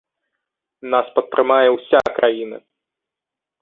Нас падтрымае ўся краіна.